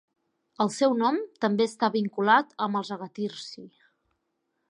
El seu nom també està vinculat amb els Agathyrsi.